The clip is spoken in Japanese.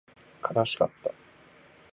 悲しかった